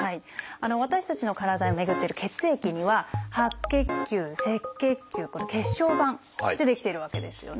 私たちの体を巡ってる血液には白血球赤血球血小板で出来ているわけですよね。